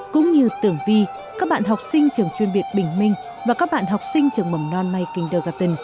cũng như tường vi các bạn học sinh trường chuyên việt bình minh và các bạn học sinh trường mầm non mai